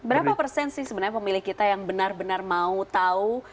berapa persen sih sebenarnya pemilih kita yang benar benar mau tahu